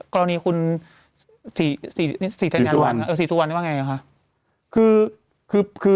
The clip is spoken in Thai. กรณีคุณศรีสุวรรณนี่ว่าไงค่ะ